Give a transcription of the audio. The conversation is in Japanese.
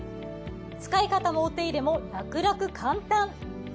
使い方もお手入れも楽々簡単。